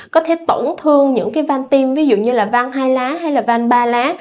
có thể tổn thương những van tim ví dụ như van hai lá hay van ba lá